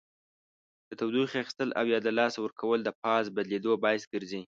د تودوخې اخیستل او یا له لاسه ورکول د فاز بدلیدو باعث ګرځي.